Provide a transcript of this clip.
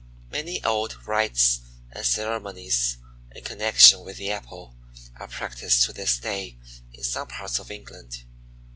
Many old rites and ceremonies, in connection with the Apple, are practiced to this day in some parts of England.